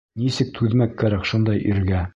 Нисек түҙмәк кәрәк шундай иргә.